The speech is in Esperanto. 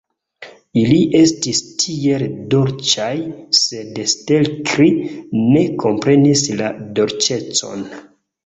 Ili estis tiel dolĉaj, sed Stelkri ne komprenis la dolĉecon.